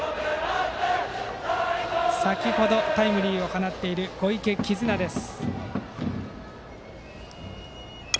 先程タイムリーを放っている小池絆です。